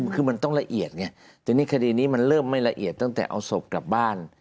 คือมันต้องละเอียดไงทีนี้คดีนี้มันเริ่มไม่ละเอียดตั้งแต่เอาศพกลับบ้าน